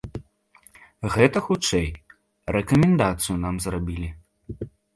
Гэта, хутчэй, рэкамендацыю нам зрабілі.